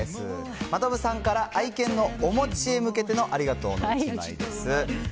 真飛さんから愛犬のおもちへ向けてのありがとうの１枚です。